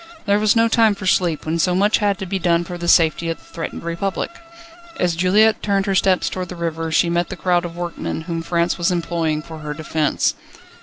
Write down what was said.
There was no time for sleep, when so much had to be done for the safety of the threatened Republic. As Juliette turned her steps towards the river, she met the crowd of workmen, whom France was employing for her defence.